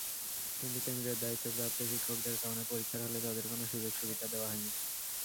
কিন্তু কেন্দ্রের দায়িত্বপ্রাপ্ত শিক্ষকদের কারণে পরীক্ষার হলে তাঁদের কোনো সুযোগ-সুবিধা দেওয়া হয়নি।